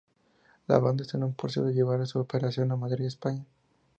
La banda está en proceso de llevar su operación a Madrid, España.